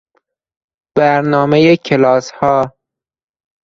برنامهی کلاسها